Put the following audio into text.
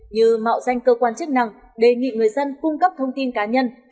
như mạo danh cơ quan chức năng đề nghị người dân cung cấp thông tin cá nhân